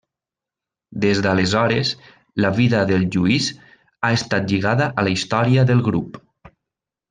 Des d'aleshores la vida del Lluís ha estat lligada a la història del grup.